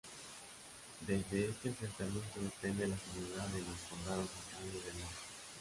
De este enfrentamiento depende la seguridad de los condados centrales del Norte.